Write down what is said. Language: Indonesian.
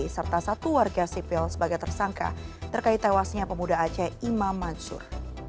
serta satu warga sipil sebagai tersangka terkait tewasnya pemuda aceh imam mansur